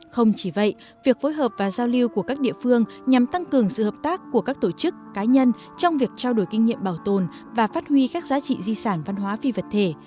không chỉ vậy việc phối hợp và giao lưu của các địa phương nhằm tăng cường sự hợp tác của các tổ chức cá nhân trong việc trao đổi kinh nghiệm bảo tồn và phát huy các giá trị di sản văn hóa phi vật thể